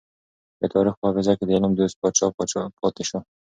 د تاريخ په حافظه کې د علم دوست پاچا پاتې شو.